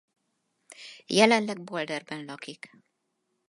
Jelenleg Boulder-ben lakik.